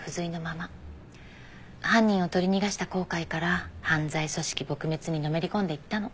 犯人を取り逃がした後悔から犯罪組織撲滅にのめり込んでいったの。